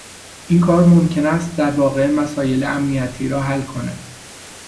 این کار ممکن است در واقع مسایل امنیتی را حل کند